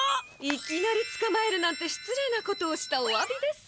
いきなりつかまえるなんてしつれいなことをしたおわびです。